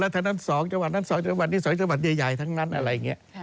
ทั้งนั้นอะไรอย่างนี้